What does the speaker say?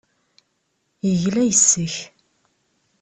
Yegla yes-k.